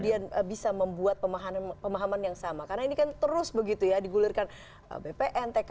bagaimana kemudian bisa membuat pemahaman pemahaman yang sama karena ini kan terus begitu ya digulirkan che pen locker new kemudian punya pemahaman yang berbeda